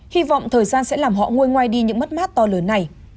hy vọng thời gian sẽ làm họ ngôi ngoài đi những mất mát to lớn này